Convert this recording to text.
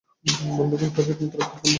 বন্ধুগণ, কাজই একমাত্র ঐক্যের বন্ধন।